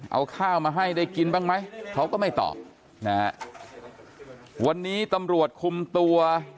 เอาข้าวมาให้ได้กินบ้างไหมเขาก็ไม่ตอบนะฮะวันนี้ตำรวจคุมตัว